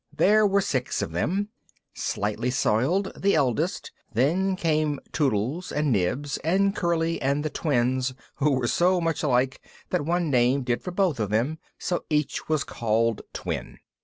There were six of them: Slightly Soiled, the eldest; then came Tootles, and Nibs, and Curly, and the Twins, who were so much alike that one name did for both of them, so each was called Twin.